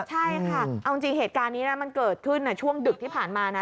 ใช่ค่ะเอาจริงเหตุการณ์นี้นะมันเกิดขึ้นช่วงดึกที่ผ่านมานะ